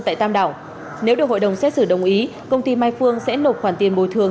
tại tam đảo nếu được hội đồng xét xử đồng ý công ty mai phương sẽ nộp khoản tiền bồi thường